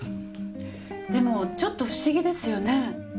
でもちょっと不思議ですよね。